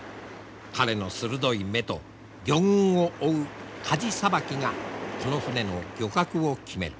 彼の鋭い目と魚群を追うかじさばきがこの船の漁獲を決める。